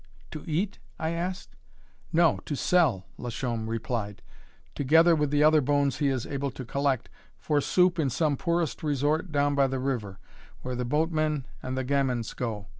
"To eat?" I asked. "No, to sell," Lachaume replied, "together with the other bones he is able to collect for soup in some poorest resort down by the river, where the boatmen and the gamins go.